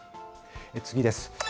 次です。